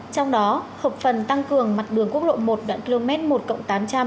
trong đó hợp phần tăng cường mặt đường quốc lộ một đoạn km một cộng tám trăm linh